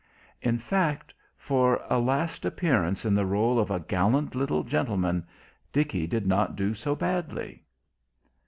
In fact, for a last appearance in the rôle of a gallant little gentleman, Dickie did not do so badly.